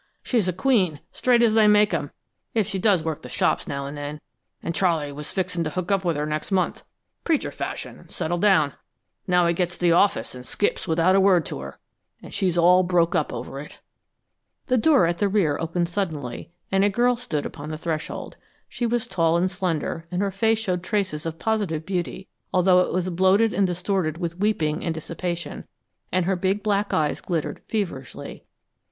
She's a queen straight as they make 'em, if she does work the shops now and then and Charley was fixin' to hook up with her next month, preacher fashion, and settle down. Now he gets the office and skips without a word to her, and she's all broke up over it!" The door at the rear opened suddenly, and a girl stood upon the threshold. She was tall and slender, and her face showed traces of positive beauty, although it was bloated and distorted with weeping and dissipation, and her big black eyes glittered feverishly.